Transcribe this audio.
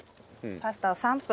パスタを３分。